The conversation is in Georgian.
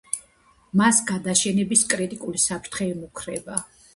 მას გადაშენების კრიტიკული საფრთხე ემუქრება.